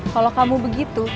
kalo kamu begitu